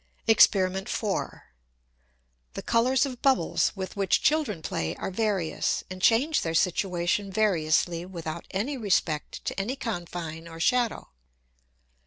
Exper. 4. The Colours of Bubbles with which Children play are various, and change their Situation variously, without any respect to any Confine or Shadow.